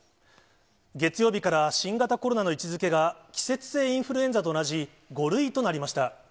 月曜日から新型コロナの位置づけが、季節性インフルエンザと同じ５類となりました。